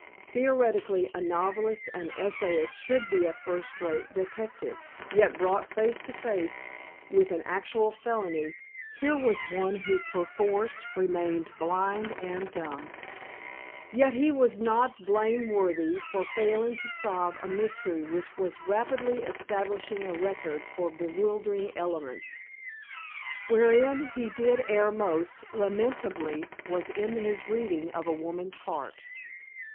Theoretically, a novelist and essayist should be a first rate detective, yet, brought face to face with an actual felony, here was one who perforce remained blind and dumb. Yet he was not blameworthy for failing to solve a mystery which was rapidly establishing a record for bewildering elements. Wherein he did err most lamentably was in his reading of a woman's heart.